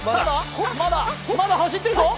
まだ、まだ走っているぞ！